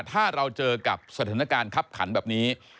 ถ้าเราเจอกับสถานการณ์คับขันแบบนี้